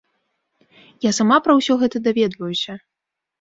Я сама пра ўсё гэта даведваюся.